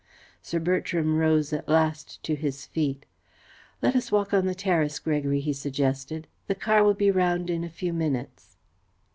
Sir Bertram rose at last to his feet. "Let us walk on the terrace, Gregory," he suggested. "The car will be round in a few minutes."